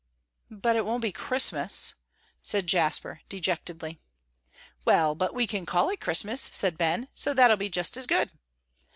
"But it won't be Christmas," said Jasper, dejectedly. "Well, but we can call it Christmas," said Ben, "so that'll be just as good."